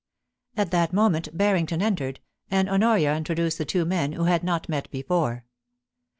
At that moment Barrington entered, and Honoria intro duced the two men, who had not met before.